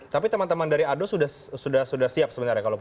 tapi teman teman dari ado sudah siap sebenarnya